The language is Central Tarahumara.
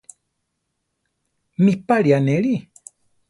¿Mi páli anéli?